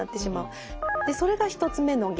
それが１つ目の原因。